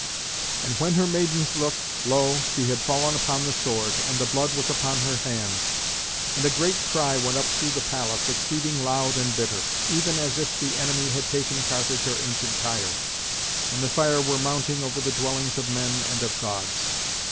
And when her maidens looked, lo! she had fallen upon the sword, and the blood was upon her hands. And a great cry went up through the palace, exceeding loud and bitter, even as if the enemy had taken Carthage or ancient Tyre, and the fire were mounting over the dwellings of men and of Gods.